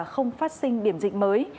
phát sinh điểm dịch mới